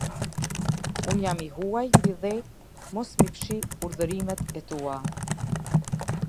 Unë jam i huaji mbi dhe; mos m’i fshih urdhërimet e tua.